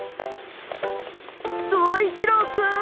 走一郎くん！